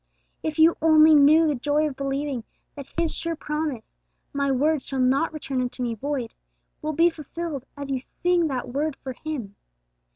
If you only knew the joy of believing that His sure promise, 'My Word shall not return unto Me void,' will be fulfilled as you sing that word for Him!